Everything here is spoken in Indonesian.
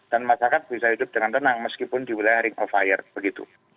dan masyarakat bisa hidup dengan tenang meskipun di wilayah ring of fire begitu